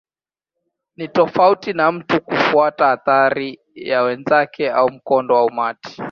Ni tofauti na mtu kufuata athari ya wenzake au mkondo wa umati.